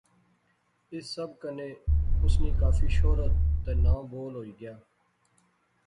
اس سب کنے اس نی کافی شہرت تہ ناں بول ہوئی گیا